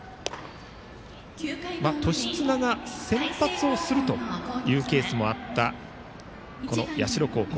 年綱が先発をするというケースもあった社高校。